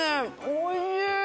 おいしい。